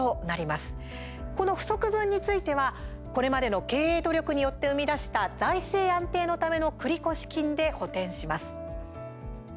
この不足分についてはこれまでの経営努力によって生み出した財政安定のための繰越金で補てんします。